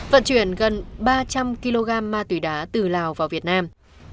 vận chuyển gần ba trăm linh kg ma túy đá từ lào vào việt nam